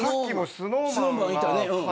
ＳｎｏｗＭａｎいたね。